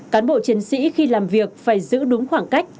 cán bộ chiến sĩ khi làm việc phải giữ đúng khoảng cách